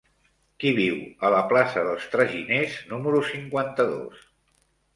Qui viu a la plaça dels Traginers número cinquanta-dos?